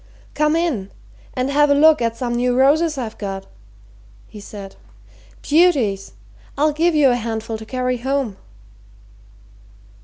"Come in and have a look at some new roses I've got," he said. "Beauties! I'll give you a handful to carry home."